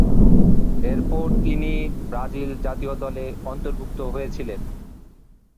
এরপর তিনি ব্রাজিল জাতীয় দলে অন্তর্ভুক্ত হয়েছিলেন।